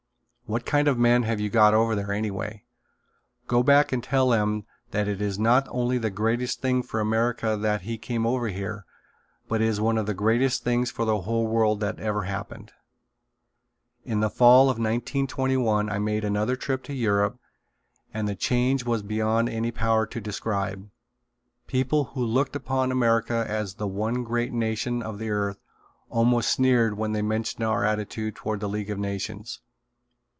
What kind of men have you got over there, anyway? Go back and tell them that it is not only the greatest thing for America that he came over here but it is one of the greatest things for the whole world that ever happened." In the fall of 1921 I made another trip to Europe and the change was beyond any power to describe. People who looked upon America as the one great nation of the earth almost sneered when they mentioned our attitude toward the League of Nations.